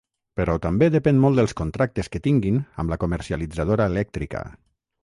Però també depèn molt dels contractes que tinguin amb la comercialitzadora elèctrica.